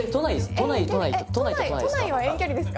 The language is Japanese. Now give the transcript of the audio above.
都内は遠距離ですか？